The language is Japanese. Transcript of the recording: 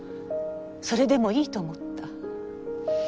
それでもいいと思った。